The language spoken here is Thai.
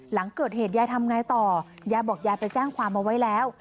หลังเกิดเหตุยายทำไงต่อยายบอกยายไปแจ้งความเอาไว้แล้ว